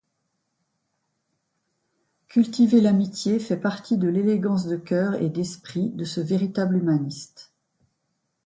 Cultiver l'amitié fait partie de l'élégance de cœur et d'esprit de ce véritable humaniste.